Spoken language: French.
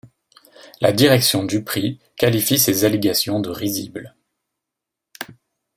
La direction du prix qualifie ces allégations de risibles.